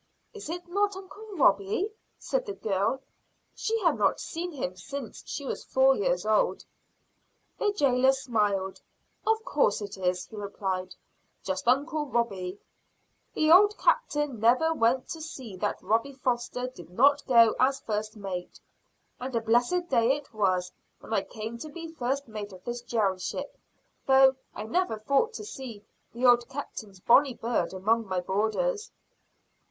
"Is it not uncle Robie?" said the girl. She had not seen him since she was four years old. The jailer smiled. "Of course it is," he replied, "just uncle Robie. The old captain never went to sea that Robie Foster did not go as first mate. And a blessed day it was when I came to be first mate of this jail ship; though I never thought to see the old captain's bonnie bird among my boarders."